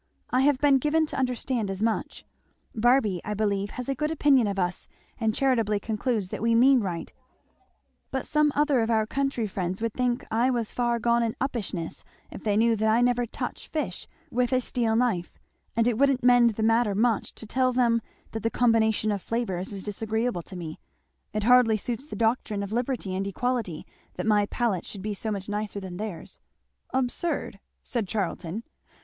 I have been given to understand as much. Barby, I believe, has a good opinion of us and charitably concludes that we mean right; but some other of our country friends would think I was far gone in uppishness if they knew that I never touch fish with a steel knife; and it wouldn't mend the matter much to tell them that the combination of flavours is disagreeable to me it hardly suits the doctrine of liberty and equality that my palate should be so much nicer than theirs." "Absurd!" said Charlton.